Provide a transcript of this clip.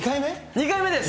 ２回目です。